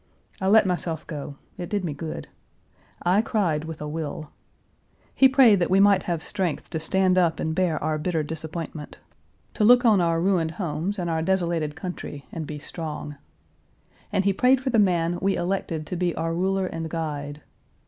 I let myself go; it did me good. I cried with a will. He prayed that we might have strength to stand up and bear our bitter Page 398 disappointment, to look on our ruined homes and our desolated country and be strong. And he prayed for the man "we elected to be our ruler and guide."